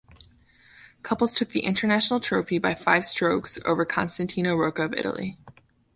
Couples took the International Trophy by five strokes over Costantino Rocca of Italy.